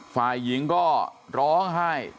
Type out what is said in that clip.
ฝ่ายหญิงก็ร้องไห้